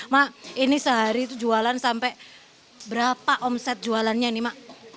ma ini sehari itu jualan sampai berapa omset jualannya ini ma